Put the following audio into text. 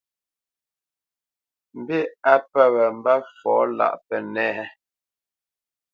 Mbî á pə̂ wǎ mbə́ fɔ lâʼ Pənɛ́a a ?